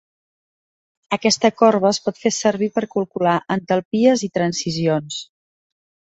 Aquesta corba es pot fer servir per calcular entalpies de transicions.